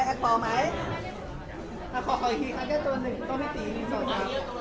สวัสดีค่ะ